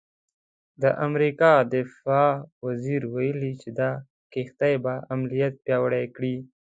د امریکا دفاع وزارت ویلي چې دا کښتۍ به عملیات پیاوړي کړي.